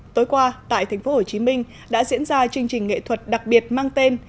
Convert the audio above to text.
tối qua tại tp hcm đã diễn ra chương trình nghệ thuật đặc biệt mang tên